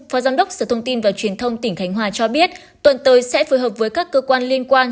phó giám đốc sở thông tin và truyền thông tỉnh khánh hòa cho biết tuần tới sẽ phối hợp với các cơ quan liên quan